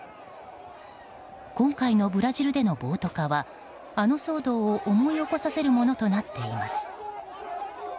今回のブラジルでの暴徒化はあの騒動を思い起こさせるものとなっています。